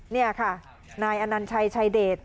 นี่ค่ะนายอนัญชัยชายเดช